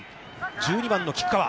１２番の菊川。